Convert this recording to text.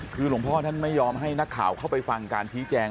คือหลวงพ่อท่านไม่ยอมให้นักข่าวเข้าไปฟังการชี้แจง